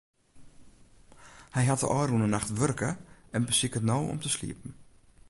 Hy hat de ôfrûne nacht wurke en besiket no om te sliepen.